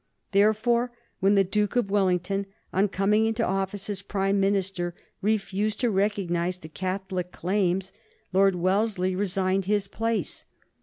Therefore, when the Duke of Wellington, on coming into office as Prime Minister, refused to recognize the Catholic claims, Lord Wellesley resigned his place.